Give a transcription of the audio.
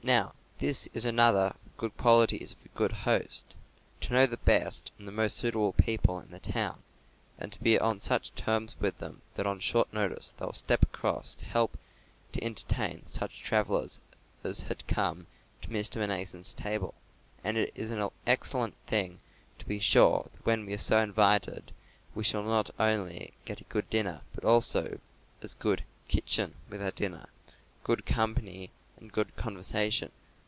Now, this is another of the good qualities of a good host, to know the best and the most suitable people in the town, and to be on such terms with them that on short notice they will step across to help to entertain such travellers as had come to Mr. Mnason's table. And it is an excellent thing to be sure that when we are so invited we shall not only get a good dinner, but also, as good "kitchen" with our dinner, good company and good conversation.